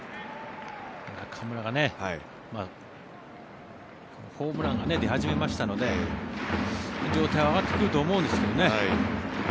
中村がホームラン出始めましたので状態が上がってくると思うんですけどね。